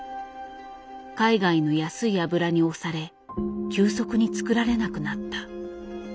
海外の安い油に押され急速に作られなくなった。